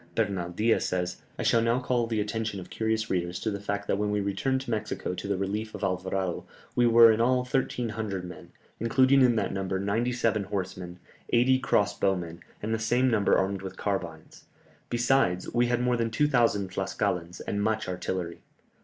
Bernal Diaz says, "I shall now call the attention of curious readers to the fact that when we returned to Mexico to the relief of Alvarado, we were in all 1300 men, including in that number ninety seven horsemen, eighty cross bowmen, and the same number armed with carbines; besides, we had more than 2000 Tlascalans, and much artillery.